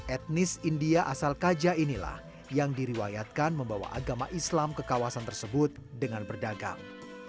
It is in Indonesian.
etnis india asal kaja inilah yang diriwayatkan membawa agama islam ke kawasan tersebut dengan berdagang